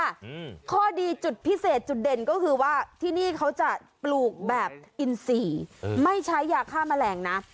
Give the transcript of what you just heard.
อืมข้อดีจุดพิเศษจุดเด่นก็คือว่าที่นี่เขาจะปลูกแบบอินซีเออไม่ใช้ยาฆ่าแมลงนะ